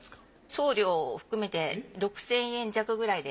送料含めて６，０００円弱くらいで。